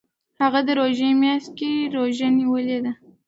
هغه د روژې میاشت کې روژه نیولې ده.